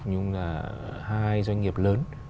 nhung là hai doanh nghiệp lớn